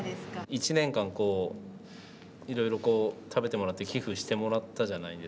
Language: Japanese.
一年間いろいろ食べてもらって寄付してもらったじゃないですか。